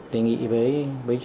đề nghị với